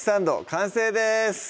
完成です